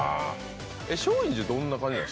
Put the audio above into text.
松陰寺どんな感じなん？